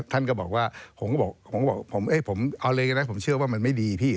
ท่านก็บอกว่าผมเอาเลยกันนะผมเชื่อว่ามันไม่ดีพี่